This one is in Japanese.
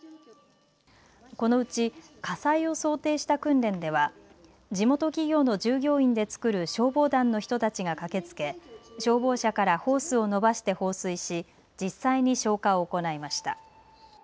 このうち火災を想定した訓練では地元企業の従業員で作る消防団の人たちが駆けつけ消防車からホースを伸ばして放水し実際に消火を行いました。